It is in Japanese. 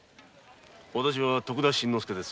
徳田新之助です。